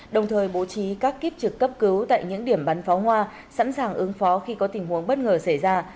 đồng thời bố trí các kiếp trực cấp cứu tại những điểm bắn pháo hoa sẵn sàng ứng phó khi có tình huống bất ngờ xảy ra